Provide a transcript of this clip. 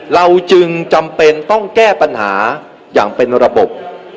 เราจึงจำเป็นต้องแก้ปัญหาอย่างเป็นระบบ